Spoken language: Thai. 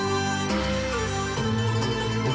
โอ้โหโอ้โหโอ้โหโอ้โห